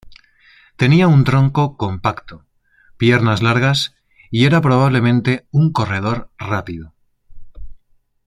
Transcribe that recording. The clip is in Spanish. Tenía un tronco compacto, piernas largas y era probablemente un corredor rápido.